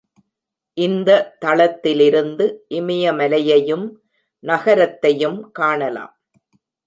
இந்த தளத்திலிருந்து இமயமலையையும் நகரத்தையும் காணலாம்.